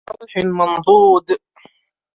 وَطَلْحٍ مَّنضُودٍ